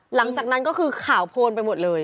หลังจากนั้นก็คือข่าวโพนไปหมดเลย